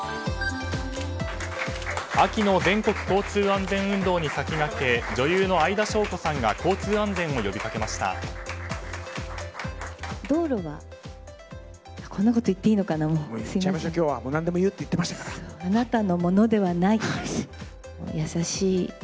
秋の全国交通安全運動に先駆け女優の相田翔子さんが交通安全を呼びかけました。